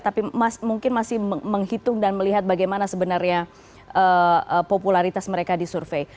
tapi mungkin masih menghitung dan melihat bagaimana sebenarnya popularitas mereka di survei